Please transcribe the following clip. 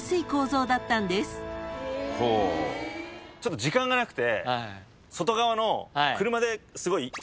ちょっと時間がなくて外側の車ですごい近くまで行ける。